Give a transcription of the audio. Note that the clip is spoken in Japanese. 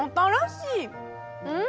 うん！